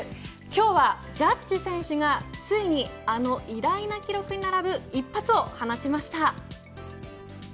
今日はジャッジ選手がついにあの偉大な記録に並ぶ一発を放ちました。